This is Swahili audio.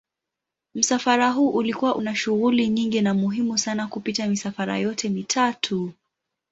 Msafara huu ulikuwa una shughuli nyingi na muhimu sana kupita misafara yote mitatu.